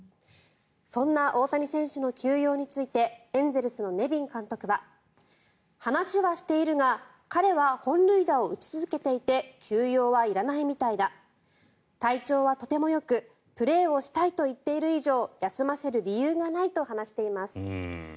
そんな大谷選手の休養についてエンゼルスのネビン監督は話はしているが彼は本塁打を打ち続けていて休養はいらないみたいだ体調はとてもよくプレーをしたいと言っている以上休ませる理由がないと話しています。